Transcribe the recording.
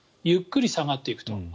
ゆっくり下がっていくと。